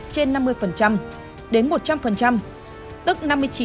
trên năm mươi đến một trăm linh tức năm mươi chín tám mươi chín